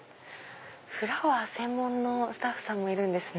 フラワー専門のスタッフさんもいるんですね。